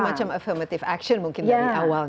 semacam affirmative action mungkin dari awal